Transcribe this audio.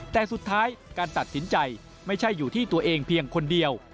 แต่สุดท้ายการตัดสินใจไม่ใช่อยู่ที่ตัวเองเพียงคนเดียว